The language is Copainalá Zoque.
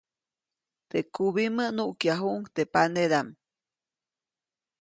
Teʼ kubimä nukyajuʼuŋ teʼ panedaʼm.